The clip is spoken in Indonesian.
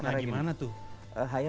nah gimana tuh